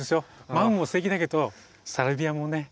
マムもすてきだけどサルビアもね